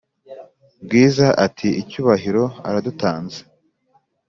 bwiza ati"cyubahiro aradutanze?"